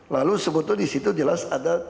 lalu sebetulnya disitu jelas ada